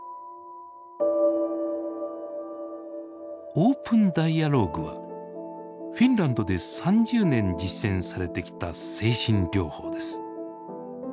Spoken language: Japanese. オープンダイアローグはフィンランドで３０年実践されてきた精神療法です。